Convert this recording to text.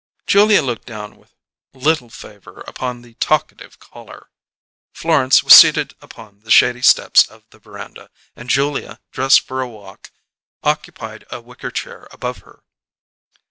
Julia looked down with little favour upon the talkative caller. Florence was seated upon the shady steps of the veranda, and Julia, dressed for a walk, occupied a wicker chair above her.